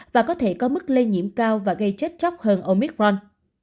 và có thể có mức lây nhiễm cao và gây chết chóc hơn omicron